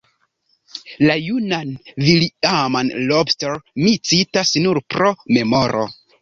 La junan Villiam Lobster mi citas nur pro memoro.